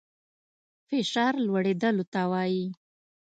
فشار لوړېدلو ته وايي.